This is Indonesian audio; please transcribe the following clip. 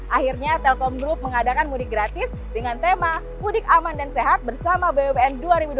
akhirnya telkom group mengadakan mudik gratis dengan tema mudik aman dan sehat bersama bumn dua ribu dua puluh